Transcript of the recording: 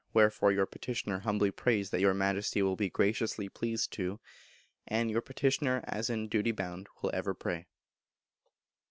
Wherefore Your Petitioner humbly prays that Your Majesty will be graciously pleased to.... And Your Petitioner, as in duty bound, will ever pray.